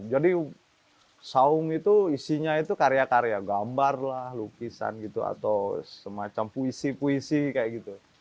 jadi saung itu isinya itu karya karya gambar lah lukisan gitu atau semacam puisi puisi kayak gitu